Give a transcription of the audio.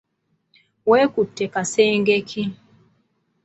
Wekutte kasenge ki?